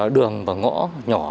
đường và ngõ nhỏ